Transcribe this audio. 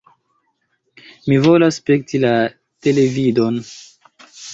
"Mi volas spekti la televidon!"